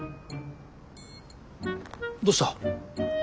どうした？